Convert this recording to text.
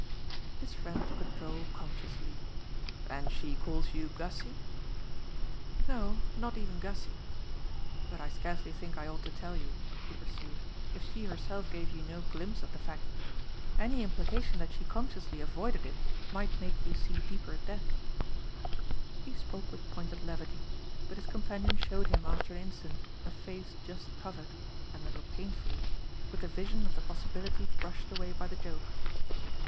His friend took a droll conscious leap. "And she calls you Gussy?" "No, not even Gussy. But I scarcely think I ought to tell you," he pursued, "if she herself gave you no glimpse of the fact. Any implication that she consciously avoided it might make you see deeper depths." He spoke with pointed levity, but his companion showed him after an instant a face just covered and a little painfully with the vision of the possibility brushed away by the joke.